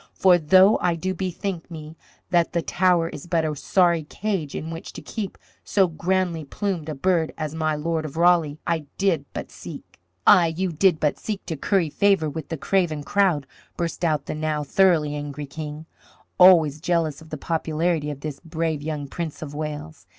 For though I do bethink me that the Tower is but a sorry cage in which to keep so grandly plumed a bird as my Lord of Raleigh, I did but seek " "Ay, you did but seek to curry favour with the craven crowd," burst out the now thoroughly angry King, always jealous of the popularity of this brave young Prince of Wales.